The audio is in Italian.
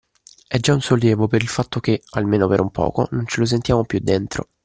È già un sollievo per il fatto che, almeno per un poco, non ce lo sentiamo più dentro.